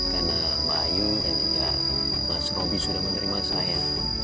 karena mbak ayu dan juga mas robby sudah menerima saya